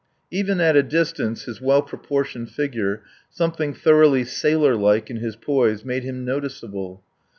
Even at a distance his well proportioned figure, something thoroughly sailor like in his poise, made him noticeable.